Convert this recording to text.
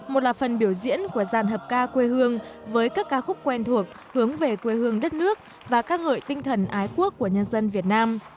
một là phần biểu diễn của gian hợp ca quê hương với các ca khúc quen thuộc hướng về quê hương đất nước và ca ngợi tinh thần ái quốc của nhân dân việt nam